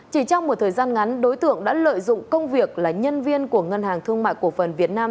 chỉ trong một thời gian ngắn đối tượng đã lợi dụng công việc là nhân viên của ngân hàng thương mại cổ phần việt nam